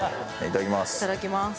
いただきます。